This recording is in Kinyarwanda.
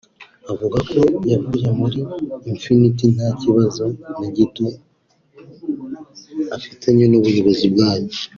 Avuga ko yavuye muri Infinity nta kibazo na gito afitanye n’ubuyobozi bwayo